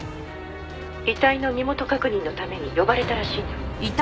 遺体の身元確認のために呼ばれたらしいの。